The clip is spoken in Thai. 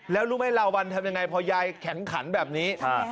แล้วรู้ไหมลาวันทำยังไงพอยายแข็งขันแบบนี้